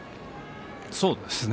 そうですね。